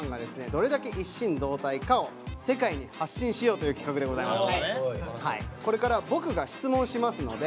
どれだけ一心同体かを世界に発信しようという企画でございます。